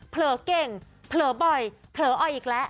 เผลอเก่งเผลอบอยเผลออ้อยอีกละ